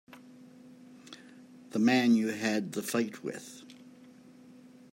The man you had the fight with.